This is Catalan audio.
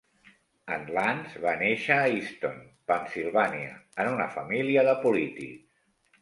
En Lance va néixer a Easton, Pennsilvània, en una família de polítics.